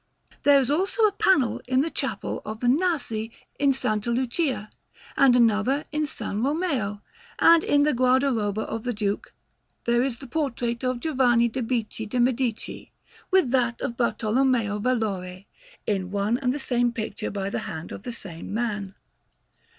There is also a panel in the Chapel of the Nasi in S. Lucia, and another in S. Romeo; and in the guardaroba of the Duke there is the portrait of Giovanni di Bicci de' Medici, with that of Bartolommeo Valori, in one and the same picture by the hand of the same man.